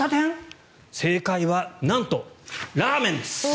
正解はなんと、ラーメンです！